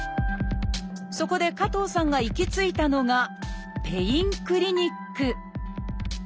そこで加藤さんが行き着いたのがペインクリニック。